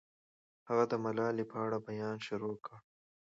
هغه د ملالۍ په اړه بیان شروع کړ.